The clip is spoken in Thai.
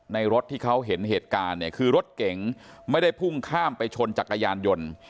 รถที่เขาเห็นเหตุการณ์เนี่ยคือรถเก๋งไม่ได้พุ่งข้ามไปชนจักรยานยนต์